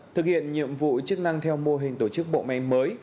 thực hiện nhiệm vụ chức năng theo mô hình tổ chức bộ máy mới